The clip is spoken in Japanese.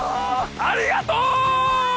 ありがとう！